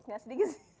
gak sedikit sih